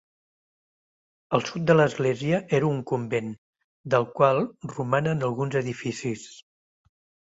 El sud de l'església era un convent, del qual romanen alguns edificis.